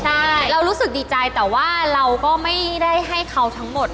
ใช่เรารู้สึกดีใจแต่ว่าเราก็ไม่ได้ให้เขาทั้งหมด